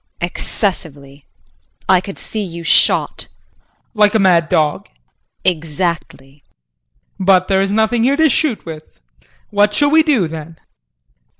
Excessively. I could see you shot JEAN. Like a mad dog? JULIE. Exactly! JEAN. But there is nothing here to shoot with. What shall we do then?